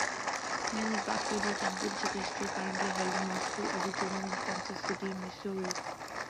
Men's Basketball Championship History; currently held Municipal Auditorium in Kansas City, Missouri.